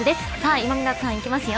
今湊さんいきますよ